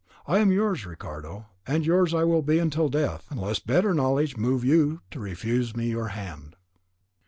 I am yours, Ricardo, and yours I will be till death, unless better knowledge move you to refuse me your hand."